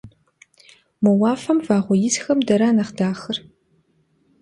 Мо уафэм вагъуэ исхэм дара нэхъ дахэр?